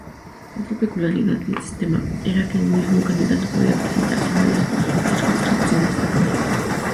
Otra peculiaridad del sistema era que un mismo candidato podía presentarse en varias circunscripciones.